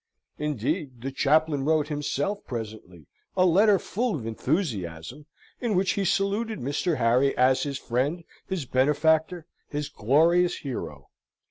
Indeed, the chaplain wrote himself, presently, a letter full of enthusiasm, in which he saluted Mr. Harry as his friend, his benefactor, his glorious hero.